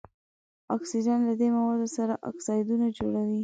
اکسیجن له دې موادو سره اکسایدونه جوړوي.